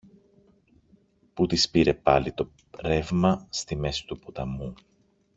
που τις πήρε πάλι το ρεύμα στη μέση του ποταμού.